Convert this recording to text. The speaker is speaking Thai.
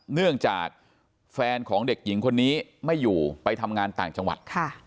เนื่องจากแฟนของเด็กหญิงคนนี้ไม่อยู่ไปทำงานต่างจังหวัด